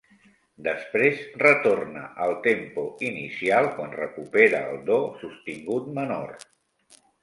Després retorna al tempo inicial quan recupera el do sostingut menor.